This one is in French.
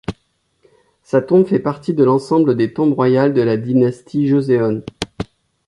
Sa tombe fait partie de l'ensemble des tombes royales de la dynastie Joseon.